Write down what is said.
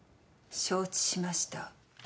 承知しました。